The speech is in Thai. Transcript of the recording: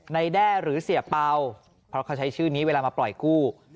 แด้หรือเสียเป่าเพราะเขาใช้ชื่อนี้เวลามาปล่อยกู้